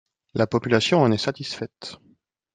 La population en est satisfaite.